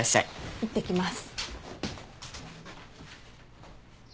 いってきます。